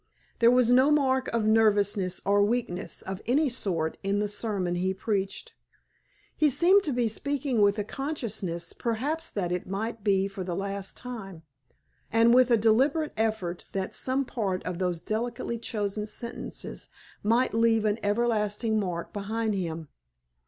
There was no mark of nervousness or weakness of any sort in the sermon he preached. He seemed to be speaking with a consciousness perhaps that it might be for the last time, and with a deliberate effort that some part of those delicately chosen sentences might leave an everlasting mark behind him.